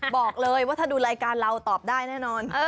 บอกเลยว่าถ้าดูรายการเราตอบได้แน่นอน